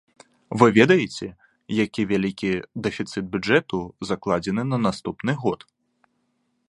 Вы ведаеце, які вялікі дэфіцыт бюджэту закладзены на наступны год?